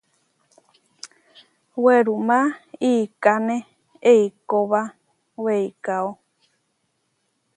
Werumá iʼkáne eikóba weikáo.